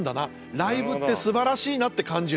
ライブってすばらしいな」って感じる。